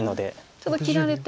ちょっと切られて。